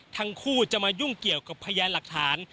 ทั้งคู่จะมายุ่งเกี่ยวกับพยานหลักฐาน